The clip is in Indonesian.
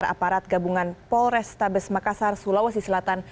aparat gabungan polrestabes makassar sulawesi selatan